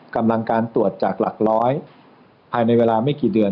กำลังการตรวจจากหลักร้อยภายในเวลาไม่กี่เดือน